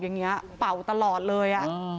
อ่อยังงี้เป่าตลอดเลย